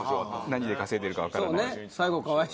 「何で稼いでるか分からない」